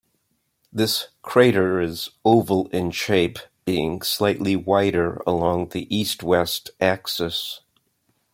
This crater is oval in shape, being slightly wider along the east-west axis.